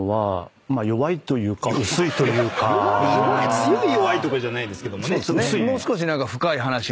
強い弱いとかじゃないですけどもね。とは正直。